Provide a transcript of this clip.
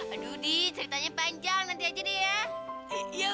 aduh di ceritanya panjang nanti aja deh ya